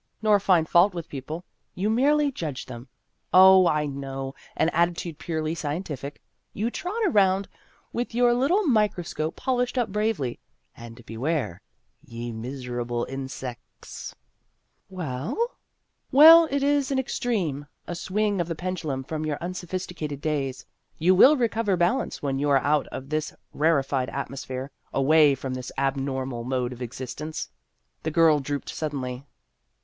Nor find fault with people. You merely judge them. Oh, I know an attitude purely scientific. You trot around with your little micro scope polished up bravely, and beware ! ye miserable insects." 226 Vassar Studies " Well ?"" Well, it is an extreme, a swing of the pendulum from your unsophisticated days. You will recover balance when you are out of this rarefied atmosphere away from this abnormal mode of existence." The girl drooped suddenly.